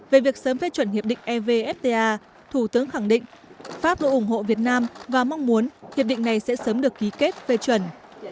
về việc sớm phê chuẩn hiệp định evfta thủ tướng khẳng định pháp luôn ủng hộ việt nam và mong muốn hiệp định này sẽ sớm được ký kết phê chuẩn